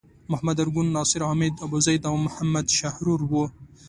محمد ارګون، نصر حامد ابوزید او محمد شحرور وو.